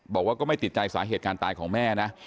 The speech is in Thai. บอกว่าก็ไม่ติดใจสาเหตุการณ์ตายของแม่นะ